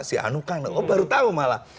si anu kan oh baru tahu malah